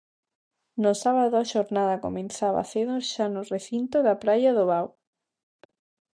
No sábado a xornada comezaba cedo xa no recinto da Praia do Bao.